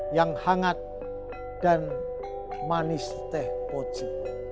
yang hangat dan manis teh poci